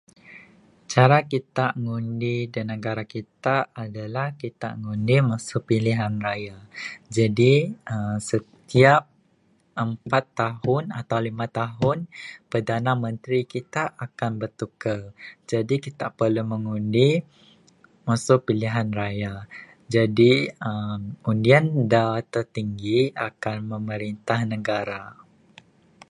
Cara kita ngundi dak negara kita adalah kita ngundi masu pilihan raya, jadi uhh setiap empat tahun atau lima tahun perdana menteri kita akan bitukar jadi kita perlu mengundi masu pilihan raya, jadi uhh undian dak tertinggi akan memerintah negara